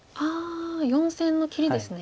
４線の切りですね。